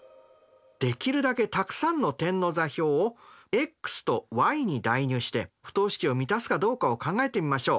できるだけたくさんの点の座標をｘとｙに代入して不等式を満たすかどうかを考えてみましょう。